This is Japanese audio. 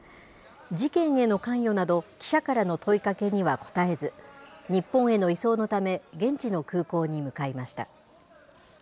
事件への関与など、記者からの問いかけには答えず、日本への移送のため、現地の空港に向かいました。